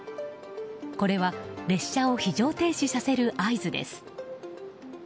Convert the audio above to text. これは列車を非常停止させる合図です。